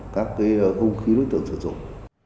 các công khí đối tượng sử dụng